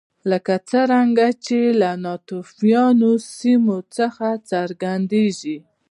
لکه څرنګه چې له ناتوفیانو سیمو څخه څرګندېږي